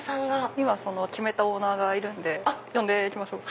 今決めたオーナーがいるんで呼んで来ましょうか。